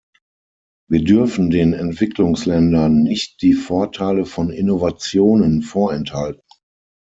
Wir dürfen den Entwicklungsländern nicht die Vorteile von Innovationen vorenthalten.